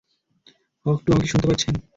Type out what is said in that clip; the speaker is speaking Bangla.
হক- টু, আমাকে শুনতে পারছেন?